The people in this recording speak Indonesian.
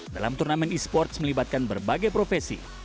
dalam turnamen e sports melibatkan berbagai profesi